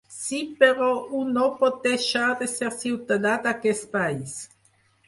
Sí, però un no pot deixar de ser ciutadà d’aquest país.